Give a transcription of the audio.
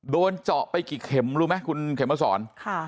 โดนเจาะไปกี่เข็มรู้ไหมคุณเข็มมาสอน